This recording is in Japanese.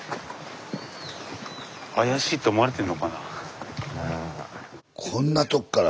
怪しいと思われてんのかな？